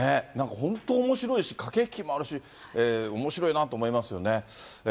なんか本当おもしろいし、駆け引きもあるし、おもしろいなと思いますよね。